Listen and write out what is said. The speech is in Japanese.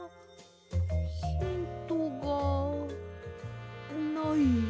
ヒントがない。